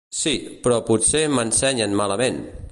Sí, però potser m'ensenyen malament!